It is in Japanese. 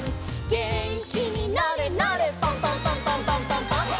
「げんきになれなれパンパンパンパンパンパンパン！！」